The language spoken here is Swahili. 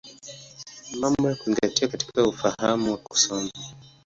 Mambo ya Kuzingatia katika Ufahamu wa Kusoma.